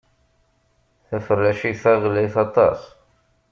Taferracit-a ɣlayet aṭas.